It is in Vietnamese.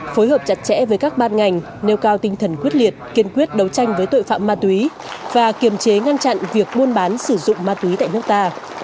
phối hợp chặt chẽ với các ban ngành nêu cao tinh thần quyết liệt kiên quyết đấu tranh với tội phạm ma túy và kiềm chế ngăn chặn việc buôn bán sử dụng ma túy tại nước ta